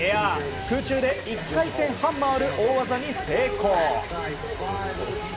空中で１回転半回る大技に成功。